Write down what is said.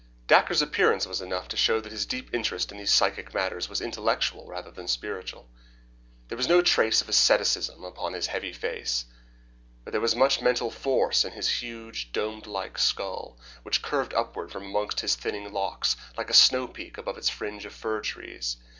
Dacre's appearance was enough to show that his deep interest in these psychic matters was intellectual rather than spiritual. There was no trace of asceticism upon his heavy face, but there was much mental force in his huge, dome like skull, which curved upward from amongst his thinning locks, like a snowpeak above its fringe of fir trees.